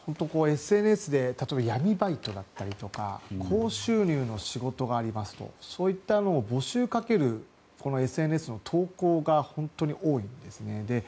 ＳＮＳで例えば闇バイトだったり高収入の仕事がありますとそういった募集をかけるＳＮＳの投稿が本当に多いんですね。